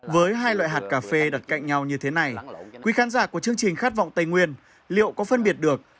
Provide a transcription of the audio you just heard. với hai loại hạt cà phê đặt cạnh nhau như thế này quý khán giả của chương trình khát vọng tây nguyên liệu có phân biệt được